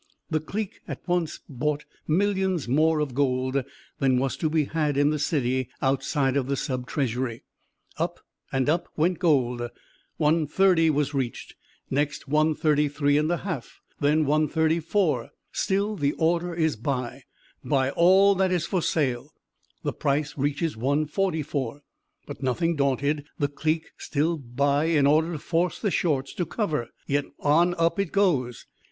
The clique at once bought millions more of gold than was to be had in the city outside of the Sub Treasury. Up, up, went gold; 130 is reached, and next 133 1/2, then 134; still the order is buy; buy all that is for sale. The price reaches 144, but nothing daunted, the clique still buy in order to force the shorts to cover; yet on up it goes.